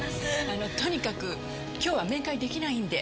あのとにかく今日は面会出来ないんで。